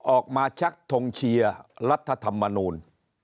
ออกมาชักทงเชียร์รัฐธรรมนูล